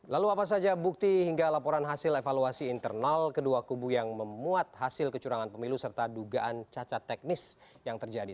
lalu apa saja bukti hingga laporan hasil evaluasi internal kedua kubu yang memuat hasil kecurangan pemilu serta dugaan cacat teknis yang terjadi